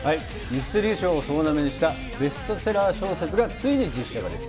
ミステリー賞を総なめにしたベストセラー小説がついに実写化です。